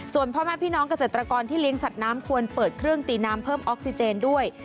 ส่วนพ่อแม่พี่น้องเกษตรกรที่เลี้ยงสัตว์น้ำควรเปิดเครื่องตีน้ำเพิ่มออกซิเจนด้วย